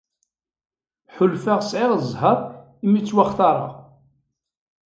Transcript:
Ḥulfaɣ sɛiɣ ẓẓher imi ttwaxtareɣ.